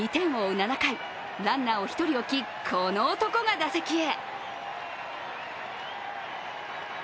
７回、ランナーを１人置き、この男が打席へ。